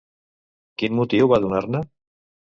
Quin motiu va donar-ne?